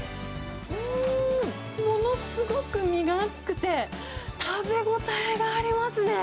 うーん、ものすごく身が厚くて、食べ応えがありますね。